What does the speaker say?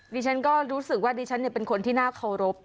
ดิฉันก็รู้สึกว่าดิฉันเป็นคนที่น่าเคารพ